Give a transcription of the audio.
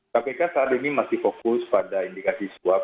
kpk saat ini masih fokus pada indikasi swab